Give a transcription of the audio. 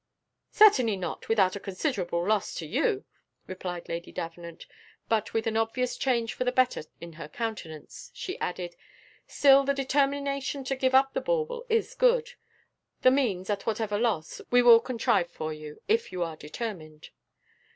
"Certainly not, without a considerable loss to you," replied Lady Davenant; but with an obvious change for the better in her countenance, she added, "Still the determination to give up the bauble is good; the means, at whatever loss, we will contrive for you, if you are determined."